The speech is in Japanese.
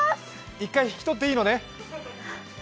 １回引き取っていいのね？